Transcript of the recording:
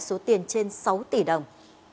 số tiền trên sáu tỷ đồng